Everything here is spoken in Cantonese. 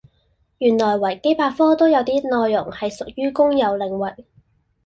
原來維基百科都有啲內容係屬於公有領域